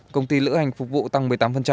công ty lữ hành phục vụ tăng một mươi tám